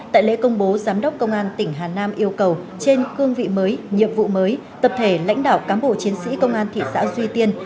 tại lễ công bố giám đốc công an tỉnh hà nam yêu cầu trên cương vị mới nhiệm vụ mới tập thể lãnh đạo cám bộ chiến sĩ công an thị xã duy tiên